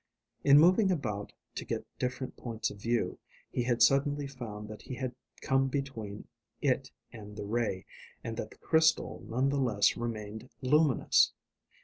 In moving about to get different points of view, he suddenly found that he had come between it and the ray, and that the crystal none the less remained luminous.